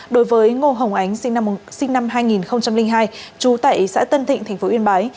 đối với ngô hồng ánh sinh năm hai nghìn hai trú tại xã tân thịnh thành phố yên bái